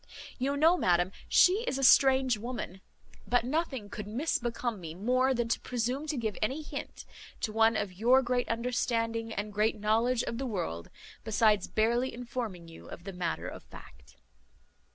You know, madam, she is a strange woman; but nothing could misbecome me more than to presume to give any hint to one of your great understanding and great knowledge of the world, besides barely informing you of the matter of fact.